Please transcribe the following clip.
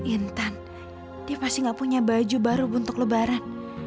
intan dia pasti gak punya baju baru untuk lebaran